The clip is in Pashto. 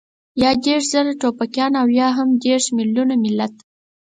يا دېرش زره ټوپکيان او يا هم دېرش مېليونه ملت.